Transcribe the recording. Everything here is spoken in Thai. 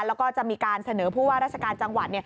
แล้วก็จะมีการเสนอผู้ว่าราชการจังหวัด